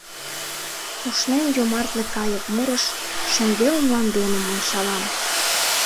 Ушнен йомартле кайык мурыш, Шӱмбел мландемым ончалам.